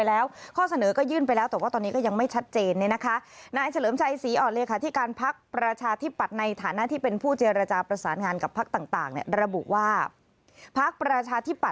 อันนี้ไม่ควรนะครับ